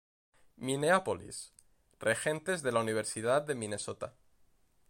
Minneapolis: Regentes de la Universidad de Minnesota.